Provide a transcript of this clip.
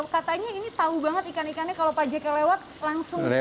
katanya ini tahu banget ikan ikannya kalau pak jk lewat langsung